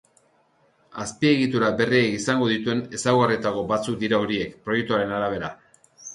Azpiegitura berriak izango dituen ezaugarrietako batzuk dira horiek, proiektuaren arabera.